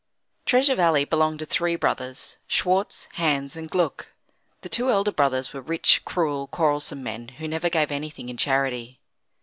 Treasure Valley belonged to three brothers Schwartz, Hans, and Gluck. The two elder brothers were rich, cruel, quarrelsome men who never gave anything in charity.